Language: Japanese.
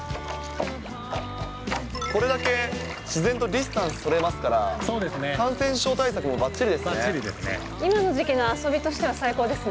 これだけ自然とディスタンス取れますから、感染症対策もばっちりばっちりですね。